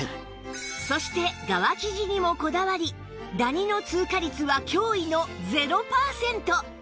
そして側生地にもこだわりダニの通過率は驚異の０パーセント